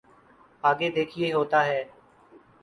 آگے دیکھئے ہوتا ہے۔